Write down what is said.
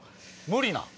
無理なん？